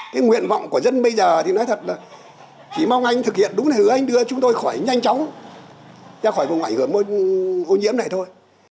cái nguyện vọng của dân bây giờ thì nói thật là chỉ mong anh thực hiện đúng thứ anh đưa chúng tôi khỏi nhanh chóng ra khỏi vùng ngoại hướng ô nhiễm này thôi